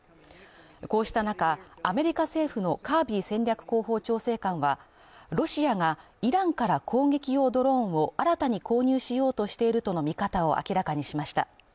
こうした中、アメリカ政府のカービー戦略広報調整官は、ロシアがイランから攻撃用ドローンを新たに購入しようとしているとの見方を明らかにしました。